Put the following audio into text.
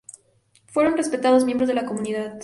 Fueron respetados miembros de la comunidad.